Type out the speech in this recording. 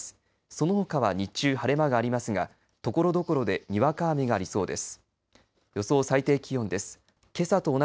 そのほかは日中晴れ間がありますがところどころでにわか雨がありそうです。